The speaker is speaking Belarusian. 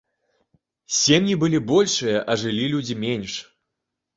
Сем'і былі большыя, а жылі людзі менш.